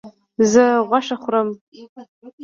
زه غوښه خورم